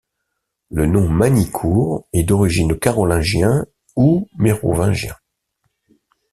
Le nom Magnicourt est d'origine carolingien ou mérovingien.